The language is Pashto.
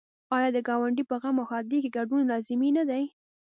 آیا د ګاونډي په غم او ښادۍ کې ګډون لازمي نه دی؟